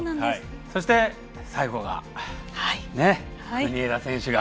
そして最後が国枝選手が。